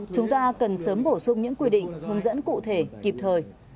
chúng ta cần sớm bổ sung những quy định hướng dẫn cụ thể kịp thời